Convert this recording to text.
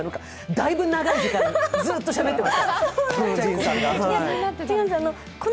だいぶ長い時間、ずっとしゃべってました、片桐さん。